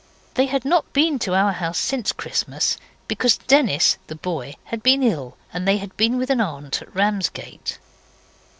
They had not been to our house since Christmas, because Denis, the boy, had been ill, and they had been with an aunt at Ramsgate.